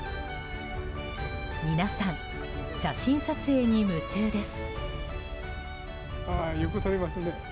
皆さん、写真撮影に夢中です。